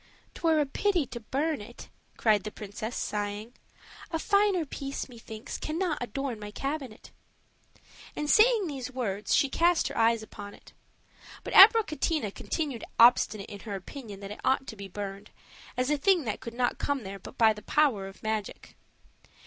"'Twere a pity to burn it," cried the princess, sighing; "a finer piece, methinks, cannot adorn my cabinet." And saying these words, she cast her eyes upon it. But Abricotina continued obstinate in her opinion that it ought to be burned, as a thing that could not come there but by the power of magic.